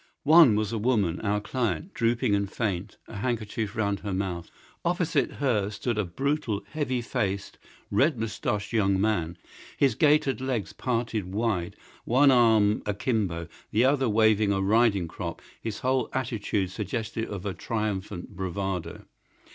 One was a woman, our client, drooping and faint, a handkerchief round her mouth. Opposite her stood a brutal, heavy faced, red moustached young man, his gaitered legs parted wide, one arm akimbo, the other waving a riding crop, his whole attitude suggestive of triumphant bravado.